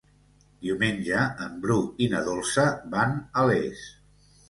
Diumenge en Bru i na Dolça van a Les.